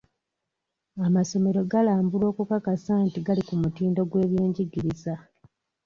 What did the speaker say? Amasomero galambulwa okukakasa nti gali ku mutindo gw'ebyenjigiriza.